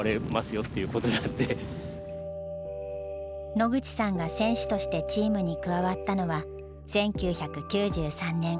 野口さんが選手としてチームに加わったのは１９９３年。